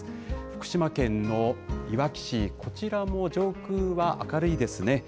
福島県のいわき市、こちらも上空は明るいですね。